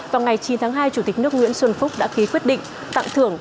vào ngày chín tháng hai chủ tịch nước nguyễn xuân phúc đã ký quyết định tặng thưởng